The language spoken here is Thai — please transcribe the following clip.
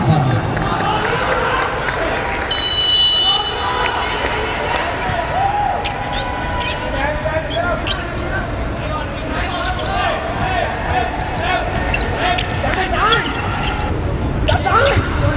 สวัสดีครับทุกคน